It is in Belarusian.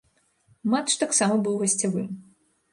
Матч таксама быў гасцявым.